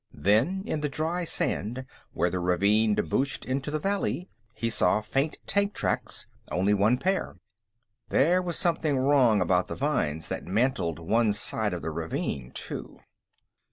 Then, in the dry sand where the ravine debouched into the valley, he saw faint tank tracks only one pair. There was something wrong about the vines that mantled one side of the ravine, too....